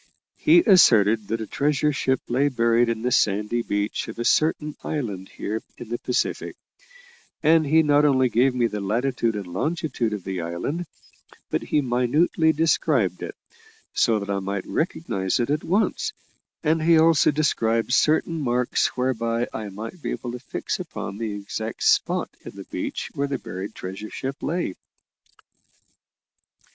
He asserted that a treasure ship lay buried in the sandy beach of a certain island here in the Pacific, and he not only gave me the latitude and longitude of the island, but he minutely described it, so that I might recognise it at once, and he also described certain marks whereby I might be able to fix upon the exact spot in the beach where the buried treasure ship lay."